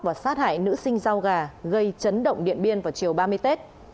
và sát hại nữ sinh rau gà gây chấn động điện biên vào chiều ba mươi tết